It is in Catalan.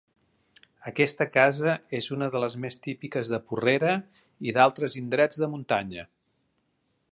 Aquesta casa és una de les més típiques de Porrera i d'altres indrets de muntanya.